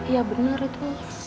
ya bener itu